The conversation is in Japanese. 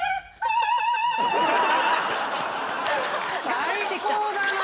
最高だな！